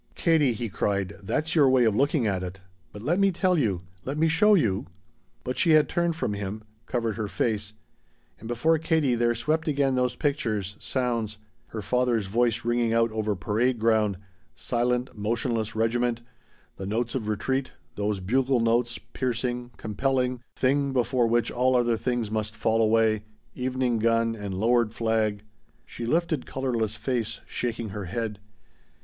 "Katie," he cried, "that's your way of looking at it! But let me tell you let me show you " But she had turned from him, covered her face; and before Katie there swept again those pictures, sounds: her father's voice ringing out over parade ground silent, motionless regiment; the notes of retreat those bugle notes, piercing, compelling, thing before which all other things must fall away evening gun and lowered flag She lifted colorless face, shaking her head.